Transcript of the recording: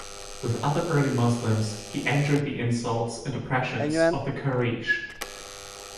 With other early Muslims, he endured the insults and oppressions of the Quraysh.